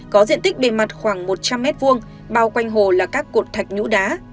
có diện tích bề mặt khoảng một trăm linh m hai bao quanh hồ là các cột thạch nhũ đá